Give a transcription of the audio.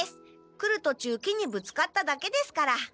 来るとちゅう木にぶつかっただけですから。